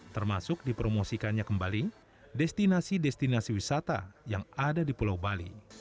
termasuk dipromosikannya kembali destinasi destinasi wisata yang ada di pulau bali